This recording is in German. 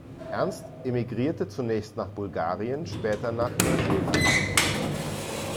Ernst emigrierte zunächst nach Bulgarien, später nach Neuseeland.